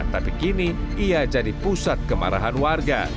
tapi kini ia jadi pusat kemarahan warga